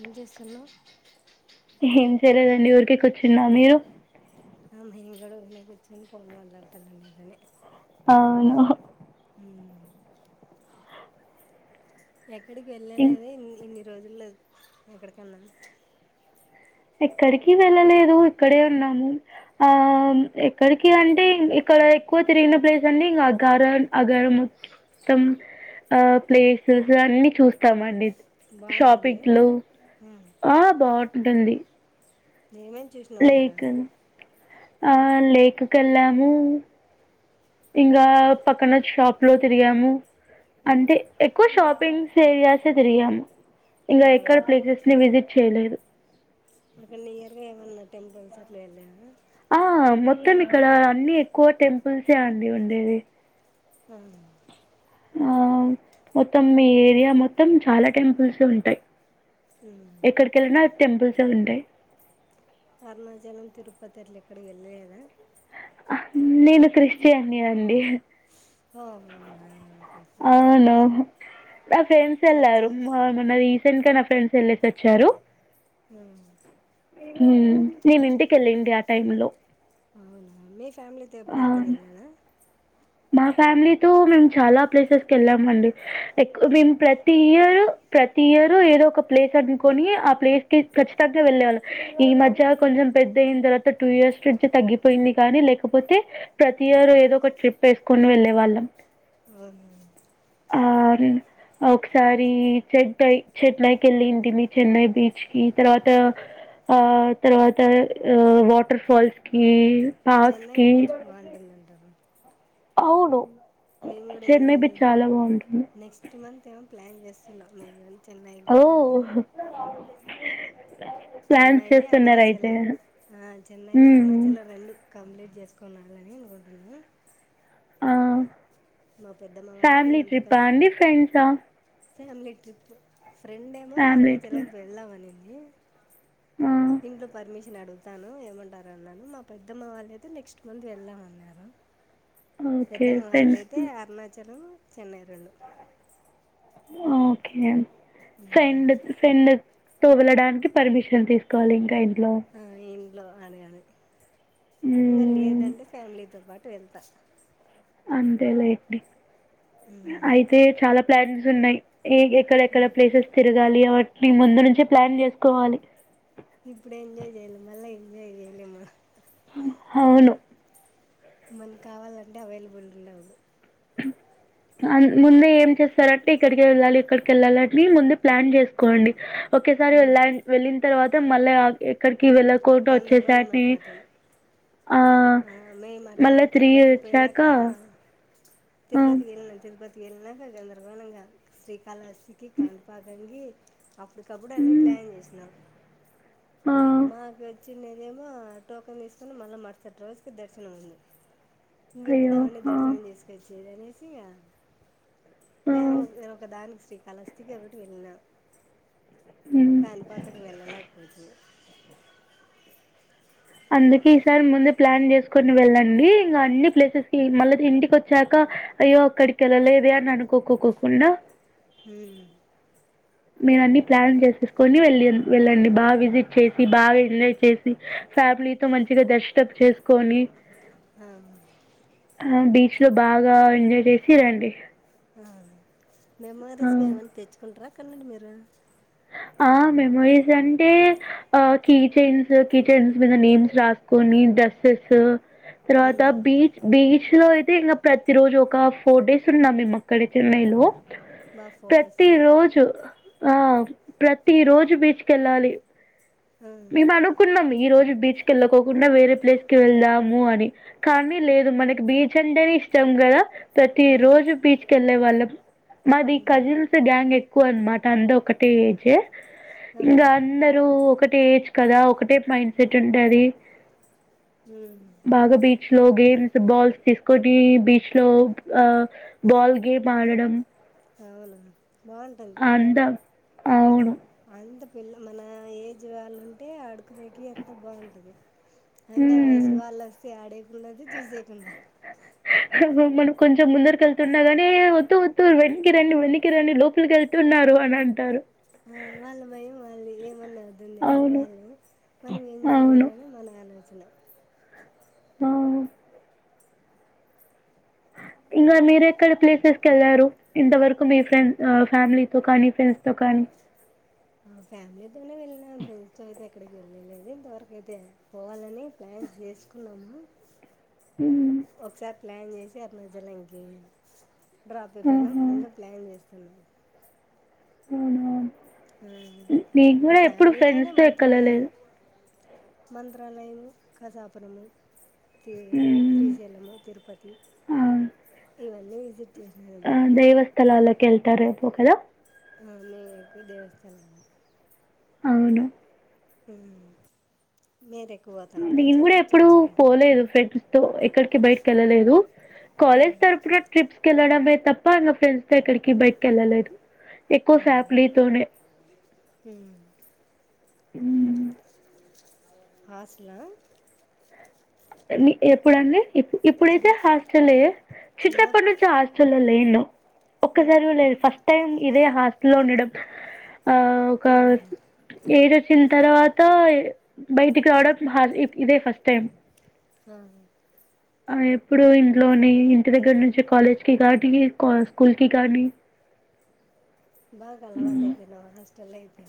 ఏం చేస్తున్నావ్ ఏం లేదండి ఊరికే కూర్చున్నా మీరు ఆ మేం కూడ ఊరికెనే కూర్చోని ఫోన్ మాట్లాడుతున్న నీతోనే అవును ఓహో ఉ ఎక్కడికి ఇం వెళ్ళలేదా ఇన్ ఇన్ని రోజుల్లో ఎక్కడికన్నా ఎక్కడికి వెళ్ళలేదు ఇక్కడే ఉన్నాము ఆం ఎక్కడికి అంటే ఇక ఇక్కడ ఎక్కువ తిరిగిన ప్లేస్ అన్నీ ఇంకా అగరన్ అగరము మొత్తం ఆ ప్లేసెస్ అన్ని చూస్తామండి బాగుంటుంది షాపింగ్ లో అది ఉమ్. ఆ బాగుంటుంది అండి ఏమేం చూసినావ్ అక్కడ ఆ లేక్ కు వెళ్ళాము ఇంగా పక్కన షాప్ లో తిరిగాము ఉమ్. అంటే ఎక్కువ షాపింగ్స్ ఏరియాసే తిరిగాము ఇంగా ఎక్కడ అవును ప్లేసెస్ ని విజిట్ చేయలేదు అక్కడ నియర్గా ఏమన్నా టెంపుల్స్ అట్లా ఏం లేవా ఆ మొత్తం ఇక్కడ అన్ని ఎక్కువ టెంపుల్సే అండి ఉండేది వందు ఆ మొత్తం ఈ ఏరియా మొత్తం చాలా టెంపుల్స్ ఉంటాయి ఉమ్. ఎక్కడికి వెళ్ళినా టెంపుల్సే ఉంటాయి అరుణాచలం తిరుపతి అట్లా ఎక్కడికి వెళ్లలేదా ఆహు నేను క్రిస్టియన్ ని అండి ఓ మొన్న అవును నా ఫ్రెండ్స్ వెళ్లారు చర్చికి మా మొన్న రీసెంట్ గా నా ఫ్రెండ్స్ వెళ్లేసి వచ్చారు ఉ మ్ నేను ఇంటి కెళ్లింటి ఆ టైమ్ లో అవునా మీ ఫ్యామిలీతో ఎప్పుడు ఎక్కడికి అవును వెళ్లా లేదా మా ఫ్యామిలీతో మేము చాలా ప్లేసెస్ కి వెళ్లాము అండి ఎక్ మేము ప్రతి ఇయ ప్రతి ఇయర్ ఏదో ఒక ప్లేస్ అనుకుని ఆ ప్లేస్ కి ఖచ్చితంగా వెళ్లే వాళ్లం ఈ మధ్య కొంచెం పెద్ద అయిన్ తర్వాత టూ ఇయర్స్ నుంచి తగ్గిపోయింది కానీ లేకపోతే ప్రతి ఇయర్ ఏదో ఒక ట్రిప్ వేసుకొని వెళ్లే వాళ్లం అవునా ఆ నేను ఆ ఒకసారి చెట్టు ఐ చెట్లు ఐ కి వెళ్లింటిమి చెన్నై బీచ్ కి తర్వాత ఆ తర్వాత ఒ వాటర్ ఫాల్స్ కి చెన్నై బీచ్ బాగుంటుందంటారు అవును మేము కూడా చెన్నై ఏమో బీచ్ చాలా బావుంటుంది. నెక్స్ట్ మంత్ ఏమో ప్లాన్ చేస్తున్నాం మేము గని ఓ ప్లాన్స్ చేస్తున్నారయితే ఆ చెన్నై అరుణాచలం రెండు కంప్లీట్ చేసుకోవాళ్ళలని బోతునము ఆ వాళ్ళు ఫ్యామిలీ మేమంతా ట్రిప్పా కలిసి అండి ఫ్రెండ్సా ఫ్యామిలీ ట్రిప్ ఫ్రెండ్ ఏమో ఫ్యామిలీ ట్రి అరుణాచలం కి వెళ్దామనింది ఆ ఇంట్లో పర్మి షన్ అడుగుతాను ఏమంటారో అన్నాను మా పెద్దమ్మ వాళ్లు అయితే నెక్స్ట్ మంత్ వెళ్దామన్నారు ఓకే పెద్దమ్మ వాళ్లది ఫ్రెండ్స్ అయితే అరుణాచలం చెన్నై రెండు అ ఓకే ఫ్రెండ్ ఫ్రెండ్ తోవలడానికి పర్మిషన్ తీసుకోవాలి ఇంకా ఇంట్లో ట్లో అడగాలి ఇంగ మ్మ్ లేదంటే ఫ్యామిలీతో పాటు వెళ్తా అంతే లేండి అయితే చాలా ప్లాన్స్ ఉన్నాయి ఏ ఎక్కడెక్కడ ప్లేసెస్ తిరగాలి అవటిని ముందు నుంచే ప్లాన్ చేసుకోవాలి ఇప్పుడు ఎంజాయ్ చేయాలి మళ్లా ఎంజాయ్ చేయలేము హ అవును మన కావాలంటే అవైలబుల్ ఉండవదు అ ముందే ఏం చేస్తారంటే ఇక్కడికి వెళ్లాలి ఇక్కడికి వెళ్లాలి అని ముందే ప్లాన్ చేసుకోండి ఒకేసారి వెళ్ల వెళ్లిన తర్వాత మళ్లా ఎక్కడికి వెళ్లకుండా వచ్చేసా అని అ ఆ మేము అట్లానే తిరుపతికి వచ్చాక పోయినాక ఆ తిరుపతికి వెళ్లినాం తిరుపతి వెళ్లినాక గందరగోళంగా శ్రీకాళహస్తికి కానిపాక నికి అప్పటికప్పుడు అన్నీ హ్మ్ ప్లాన్ చేసినం ఆ మాకచ్ చిన్నదేమో టోకెన్ తీసుకుని మళ్ల మరుసటి రోజుకి దర్శనం ఉంది ఇంకెప్పుడు అయ్యో అవన్నీ ఆ దర్శనం చేసుకొచ్చేది అనేసి ఇగ ఆ లేము ఒకదానికి శ్రీకాళహస్తికి ఒకటి వెళ్లిన హ్మ్ కానిపాకంకి వెళ్లలేకపోతిమీ అందుకే ఈసారి ముందే ప్లాన్ చేసుకోని వెళ్ళండి ఇంకా అన్ని ప్లేసెస్ కి మళ్లతి ఇంటికి వచ్చాక అయ్యో అక్కడికి వెళ్లలేదే అని అనుకోకొకుండా హు మీరు అన్ని ప్లాన్ చేసేసుకొని వెళ్ళి వెళ్ళండి బాగా విజిట్ చేసి బాగా ఎంజాయ్ చేసి ఫ్యామిలీతో మంచిగా దర్శనం చేసుకొని ఆవును ఆ బీచ్ లో బాగా ఎంజాయ్ చేసి రండి అవును మెమోరీస్గా ఏమన్న తెచ్చుకుంటారా అక్కడి నుండి మీరు ఆ మెమొరీస్ అంటే ఆ కీచైన్స్ కిచైన్స్ మీద నేమ్స్ రాసుకోని ఇం డసెసు తర్వాత హ్మ్ బీచ్ బీచ్ లో అయితే ఇంకా ప్రతి రోజు ఒక ఫోర్ డేస్ ఉన్నా మేము అక్కడే చెన్నై లో బాగా ఫొటోస్ ప్రతీ ఇవి రోజు ఆ ప్రతీ రోజు బీచ్కి వెళ్ళాలి ఆ మేము అనుకున్నాం ఈ రోజు బీచ్ కెళ్ళకోకుండా వేరే ప్లేస్ కి వెళ్దాము అని కానీ లేదు మనకి బీచ్ అంటేనే ఇష్టం కదా ప్రతి అవును రోజు బీచ్కి వెళ్ళే వాళ్ళం మాది హ్మ్ కజిన్స్ గ్యాంగ్ ఎక్కువ అనమాట అంద ఒక టేజ ఆ ఇంకా అందరు ఒక టేజ్ కదా ఒకటే మైండ్ సెట్ ఉంటాది హ్మ్ బాగా బీచ్ లో గేమ్స్ బాల్స్ తీసుకొని బీచ్ లో ఆ బాల్ గేమ్ ఆడడం అవున అందా అవును వీళ్ళు మన ఏజ్ వాళ్ళు ఉంటే ఆడుకునేకి అంత బాగుంటుంది అంత వయసు ఉమ్. వాళ్ళు వస్తే ఆడెకుండదు చూసేకుండా మనం కొంచెం ముందరికి వెళ్తున్నాగానే వద్దు వద్దు వెనక్కి రండి వెనక్కి రండి లోపలి కెళ్తు తున్నారు అని అంటారు ఆ వాళ్ళ భయం వాళ్ళది ఏమన్నా అయితుందని అవును వాళ్ళు మనం ఎంజాయ్ అవును చేయాలని మన ఆలోచన ఆ ఇంగా మీరెక్కడ ప్లేసెస్కి వెళ్లారు ఇంతవరకు మీ ఫ్రెండ్స్ ఫ్యామిలీతో కానీ ఫ్రెండ్స్ ఆ ఫ్యామిలీ తోనే వెళ్ళినాను ఫ్రెండ్స్ తో అయితే ఏక్ క్కడికి వెళ్ళలేదు ఇంతవరకుయితే పోవాలని ప్లాన్ చేసుకున్నాము హ్మ్ ఒకసారి ప్లాన్ చేసి అనిపించలే ఇంకేమి డ్రాప్ అయిపోయినా ఆహా మళ్ళ ప్లాన్ చేస్తున్నారు మ్మ్ అవును మ్మ్ ఫ్యామిలీతోనే ఫ్రెండ్స్తో మంత్రాలయము ఎక్కలలేదు మంత్రాలయము కసాపురము ఈ హ్మ్ శ్రీశైలం తిరుపతి ఇవన్ని విజిట్ చేసినాను ఇప్పటికి మ్మ్ దైవస్థలాల్లోకి వెళ్తారేమో కదా ఆ మేము ఎక్కువ దేవస్థలాం అవును మ్మ్ మీరే మ్మ్ నేను కూడా ఎప్పుడు పోలేదు ఫ్రెండ్ డు ఎక్కడికి బయటకి వెళ్ళలేదు కాలేజ్ ఉమ్ తరఫున ట్రిప్స్కి వెళ్లడం అయితే తప్ప నా ఫ్రెండ్స్ తో ఎక్కడికి బయటికి వెళ్ళలేదు ఎక్కువ శాప్లీతోనే ఉమ్ మ్మ్ హాస్టల ఎప్పుడు అండి ఇప్పు ఇప్పుడైతే చిన్న హాస్టలే చిన్నప్పటి చిన్నప్పు నుంచి హాస్టల్లో లేను ఉమ్ ఒక్కసారి లేదు ఫస్ట్ టైం ఇదే హాస్టల్లో ఉండడం ఆ ఒక ఉహు ఏడు వచ్చిన తర్వాత బయటికి రావడం హ ఇదే ఫస్ట్ టైం ఆ ఆ ఇప్పుడు ఇంట్లో నీ ఇంటి దగ్గర నుంచి కాలేజ్కి కానీ ఆ స్కూల్ కి కానీ బాగా అలవాటైపోయినావ్ హాస్టల్లో అయితే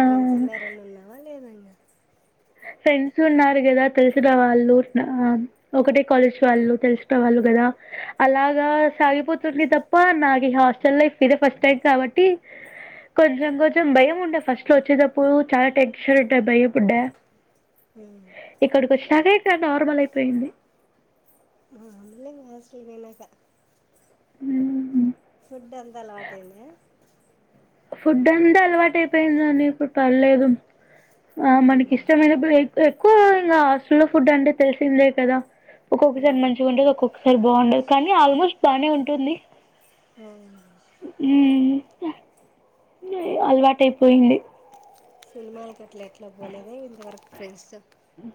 ఆ ఫ్రెండ్స్ ఉన్నారని ఉన్నావ లేదా నీ ఫ్రెండ్స్ ఉన్నారు కదా తెలిసిన వాళ్ళు ఆ ఒకటే కాలేజ్ వాళ్ళు తెలిసిన వాళ్ళు అలా అలాగా సాగిపోతుంది తప్ప నాకిక హాస్టల్ లైఫ్ ఇదే ఫస్ట్ టైం కాబట్టి కొంచెం కొంచెం భయం ఉండే ఫస్ట్ లో వచ్చేటప్పుడు చాలా టెన్షన్ ఉండే భయపడ్డ ఉమ్ ఇక్కడికి వచ్చినాకె ఇక్కడ నార్మల్ అయిపోయింది ఆ అలంగా వసలునాక [unintelligible] మ్మ్ హు ఫుడ్ అంతా అలవాటైందా ఫుడ్ అంతా అలవాటు అయిపోయిందండి ఇప్పుడు పర్లేదు ఆ మనకి ఉమ్ ఇష్టమైనప్పుడు ఎక్కు ఎక్కువ ఇంకా హాస్టల్లో ఫుడ్ అంటే తెలిసిందే కదా ఒక్కొక్కసారి ఉమ్ మంచిగా ఉంటది ఒక్కొక్కసారి బాగుండదు కానీ ఆల్మోస్ట్ బానే ఉంటుంది మ్మ్ హ్మ్ అలవాటు అయిపోయింది సినిమాలకు అట్లా ఎట్లా పోలేద ఇంతవరకు ఫ్రెండ్స్ తో మ్మ్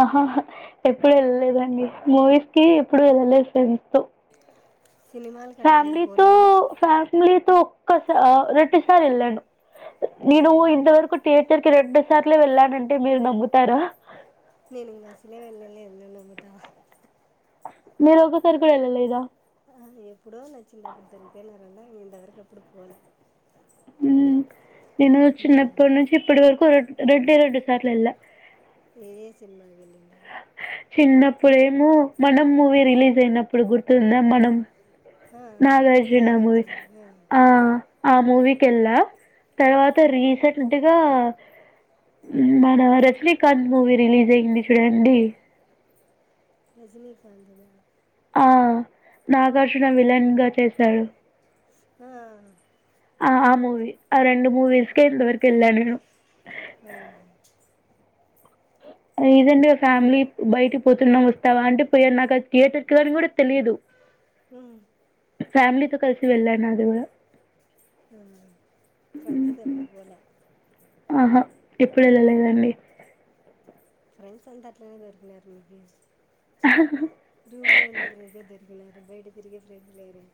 ఆహా హా ఎప్పుడు వెళ్ళలేదండి. మూవీస్ కి ఎప్పుడు వెళ్ళలేదు ఫ్రెండ్స్ తో సినిమాలకు అట్లా ఫ్యామిలీతో పోలేదా ఫ్యామిలీతో ఒక్కస రొండు సార్లు వెళ్ళాను. నేను అవునా ఇంతవరకు థియేటర్ కి రెండు సార్లే వెళ్ళానంటే మీరు నమ్ముతారా నేను ఇంగ అసలే వెళ్ళలేదు నువ్వు నమ్ముతావా మీరు ఒకసారి కూడా వెళ్ళలేదా. ఆ, ఎప్పుడో నా చిన్నప్పుడు తొడాక్కపోయినారాంటా ఇంత వరకు ఎప్పుడు పోలే నేను ఉమ్. చిన్నప్పటి నుంచి ఇప్పటి వరకు రెండే రెండు సార్లు వెళ్ళ ఏ ఎ సినిమాలు వెలినా చిన్నప్పుడేమో మనం మూవీ రిలీజ్ అయినప్పుడు గుర్తుందా మనం ఆ, ఆ, నాగార్జున మూవి ఆ ఆ మూవీ కెల్లా తర్వాత రీసెంట్గా మన రజనీకాంత్ మూవీ రిలీజ్ అయింది చూడండి రజనీకాంత్ దా ఆ నాగార్జున విలన్గా చేశాడు. ఆ ఆ ఆ! ఆ మూవి ఆ రెండు మూవీస్కికే ఇంతవరకు వెళ్ళ నేను ఉమ్ రీసెంట్గా ఆ ఫ్యామిలీ బయటకి పోతున్నాం వస్తావా అంటే పోయిన నాకు థియేటర్ కి అని కూడా తెలిదు ఉమ్, ఫ్యామిలీతో కలిసి వెళ్ళాను. అది కూడా ఉమ్ ఫ్రెండ్స్తో ఎప్పుడు పోలే ఆహా ఎప్పుడు వెళ్ళలేదండి. ఫ్రెండ్స్ అంత అట్లానే దొరికునారు రూబీ రూమ్ లో ఉన్న ఫ్రెండ్స్ ఏ దోర్ కినారు బయట తిరిగే ఫ్రెండ్ లేరూ.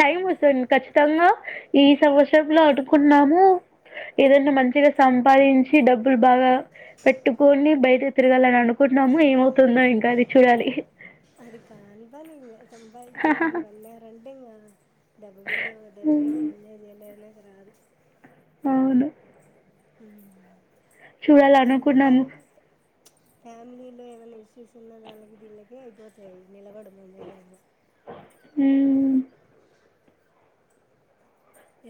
టైమ్ వస్తది కచ్చితంగా ఈ సంవత్సరంలో అనుకున్నాము. ఏదన్న మంచిగా సంపాదించి డబ్బులు బాగా పెట్టుకొని బయటకు తిరగాలని అనుకు కున్నాము ఏమౌవుతుందో ఇంకా అది చూడాలి. అది కాని పని ఇంగా సంపాదించేకి వెళ్ళాలంటే ఇంగా డబ్బు మీందేపోతాది గానీ హ్మ్, ఎంజాయ్ చేయలేదులే ఇంగా రాదు. అవును ఉమ్ చూడాలా అనుకున్నము ఫ్యామిలీలో ఏమైనా ఇష్యూస్ ఉన్న దాన్లకి దిన్లకే అయిపోతాయి నిలబడవు. ఉమ్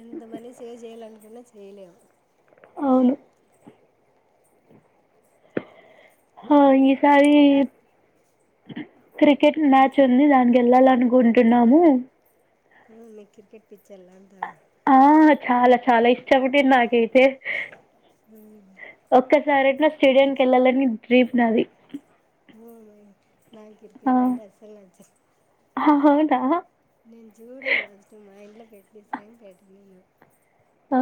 ఎంత మనీ సేవ్ చేయాలనుకున్నా చేయలేవు. అవును హా ఈసారి క్రికెట్ ఉమ్, మ్యాచ్ ఉంది దానికి వెళ్ళాలనుకుంటున్నాము ఉమ్ మీకు క్రికెట్ పిచ్చోళ్ళంతా ఆ చాలా చాలా ఇష్టపటింది నాకైతే ఉమ్ డైరెక్ట్గా స్టేడియాకి వెళ్ళాలని డ్రీమ్ నాది ఓ మై నాక్ ఆ క్రికెట్ంటె అసల్ నచ్చదు అవునా నేను చూడను ఫస్ట్ మా ఇంలో పెట్ నిచ్చిన గాని పెట్ నీను ఆ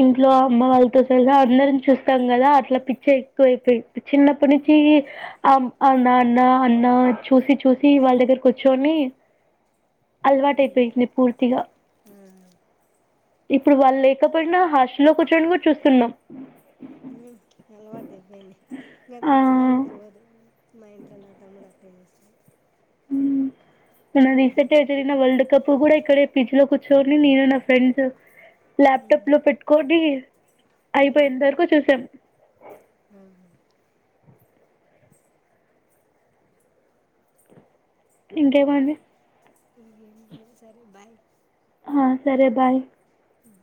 ఇంట్లో అమ్మ వాళ్ళతో సలహా అందరం చూస్తాం కదా అట్లా పిచ్చే ఎక్కువైపోయి చిన్నప్పటించి అమ్ అ నాన్న అన్నా చూసి చూసి వాళ్ళ దగ్గర కూర్చొని అలవాటు అయిపోయింది పూర్తిగా అవును ఇప్పుడు వాళ్ళు లేకపోయినా హాస్టల్లో కూర్చొని కూడా చూస్తున్నాం అలవాటు అయిపోయిడి ఇకా అది ఆ వచ్చిన పోదు మై ఇంట్లో నా తమ్ముడ తెే స మన అదే. రీసెంట్రి వర్ల్డ్ కప్ కూడా ఇక్కడ పిచ లో చోని నేను నా ఫ్రెండ్స్ ల్యాప్టాప్ ఉమ్, లో పెట్టుకోండి అయిపోయి ఉమ్, ఎంతవరకు చూసాం ఆ ఇంకేమంది ఇ ఏం లే సరే బాయ్ ఆ సరే బాయ్ అ